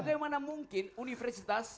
bagaimana mungkin universitas